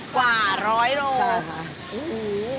กว่าร้อยโลกรัม